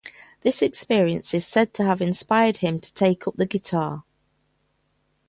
This experience is said to have inspired him to take up the guitar.